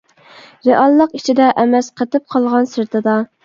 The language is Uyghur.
رېئاللىق ئىچىدە ئەمەس قېتىپ قالغان سىرتىدا.